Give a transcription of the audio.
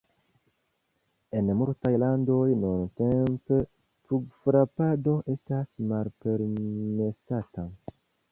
En multaj landoj nuntempe pugfrapado estas malpermesata.